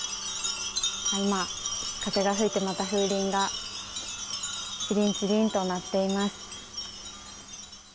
今、風が吹いてまた風鈴がちりんちりんと鳴っています。